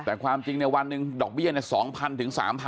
แต่ความจริงนี่วันนึงดอกเบี้ยนเนี่ย๒๐๐๐ถึง๓๐๐๐